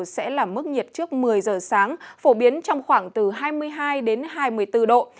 sẽ là mức nhiệt trước một mươi giờ sáng phổ biến trong khoảng từ hai mươi hai đến hai mươi bốn độ